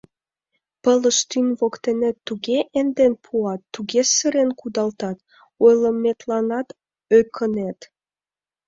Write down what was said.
Пылыштӱҥ воктенет туге эҥден пуат, туге сырен кудалтат — ойлыметланат ӧкынет.